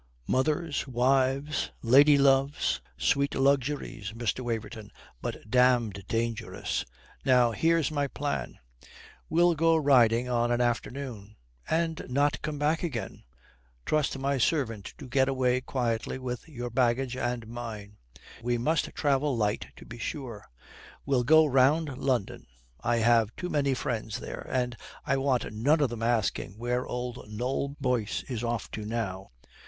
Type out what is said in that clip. Mothers, wives, lady loves sweet luxuries, Mr. Waverton, but damned dangerous. Now here's my plan. We'll go riding on an afternoon and not come back again. Trust my servant to get away quietly with your baggage and mine. We must travel light, to be sure. We'll go round London. I have too many friends there, and I want none of them asking where old Noll Boyce is off to now.